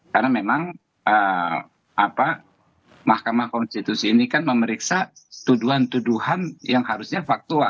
karena memang mahkamah konstitusi ini kan memeriksa tuduhan tuduhan yang harusnya faktual